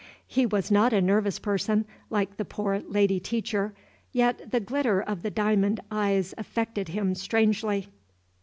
He was not a nervous person, like the poor lady teacher, yet the glitter of the diamond eyes affected him strangely.